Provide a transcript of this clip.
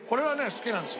好きなんです